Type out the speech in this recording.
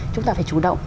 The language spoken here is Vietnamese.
chúng ta phải chủ động